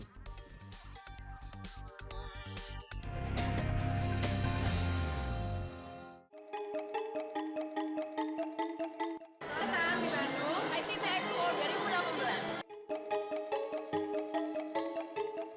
usaha kecil menengah atau ukm